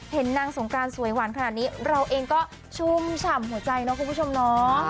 เห็นนางสงกรานสวยหวานขนาดนี้เราเองก็ชุ่มฉ่ำหัวใจเนาะคุณผู้ชมเนาะ